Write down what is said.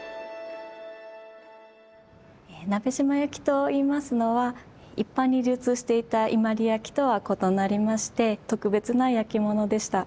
鍋島焼といいますのは一般に流通していた伊万里焼とは異なりまして特別な焼き物でした。